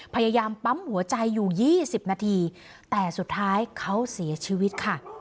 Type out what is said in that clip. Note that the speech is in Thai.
พยายามปั๊มหัวใจอยู่๒๐นาทีแต่สุดท้ายเขาเสียชีวิตค่ะ